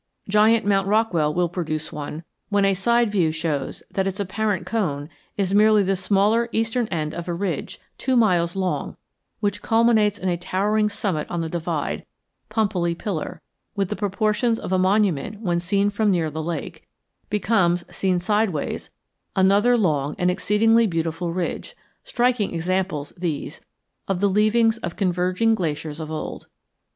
Giant Mount Rockwell will produce one when a sideview shows that its apparent cone is merely the smaller eastern end of a ridge two miles long which culminates in a towering summit on the divide; Pumpelly Piller, with the proportions of a monument when seen from near the lake, becomes, seen sideways, another long and exceedingly beautiful ridge; striking examples, these, of the leavings of converging glaciers of old.